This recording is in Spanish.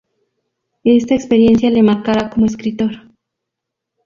Esta experiencia le marcará como escritor.